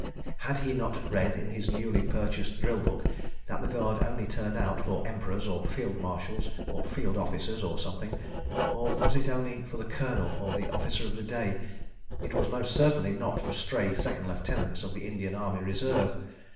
Had he not read in his newly purchased drill book that the Guard only turned out for Emperors or Field Marshals, or Field Officers or something? Or was it only for the Colonel or the Officer of the Day? It most certainly was not for stray Second Lieutenants of the Indian Army Reserve.